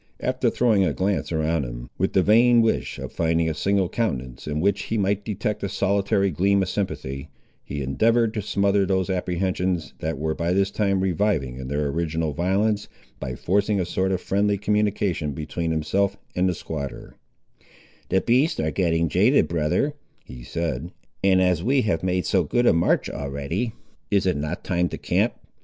After throwing a glance around him, with the vain wish of finding a single countenance in which he might detect a solitary gleam of sympathy, he endeavoured to smother those apprehensions, that were by this time reviving in their original violence, by forcing a sort of friendly communication between himself and the squatter— "The beasts are getting jaded, brother," he said, "and as we have made so good a march already, is it not time to camp.